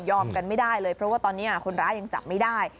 กันไม่ได้เลยเพราะว่าตอนนี้คนร้ายยังจับไม่ได้